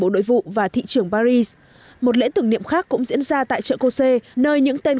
bộ đội vụ và thị trưởng paris một lễ tưởng niệm khác cũng diễn ra tại chợ cô sê nơi những tên